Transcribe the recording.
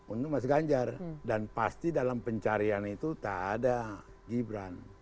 untuk mas ganjar dan pasti dalam pencarian itu tak ada gibran